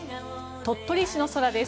鳥取市の空です。